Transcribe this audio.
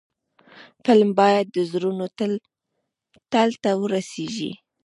فلم باید د زړونو تل ته ورسیږي